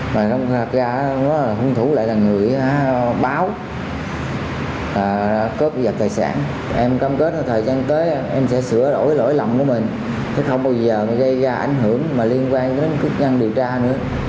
mà hôn thủ lại là người báo cướp tài sản